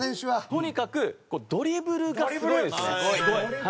とにかくドリブルがすごいですね。